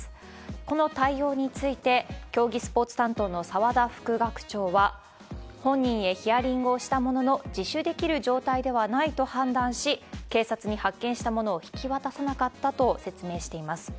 この対応について、競技スポーツ担当の澤田副学長は、本人へヒアリングをしたものの、自首できる状態ではないと判断し、警察に発見したものを引き渡さなかったと説明しています。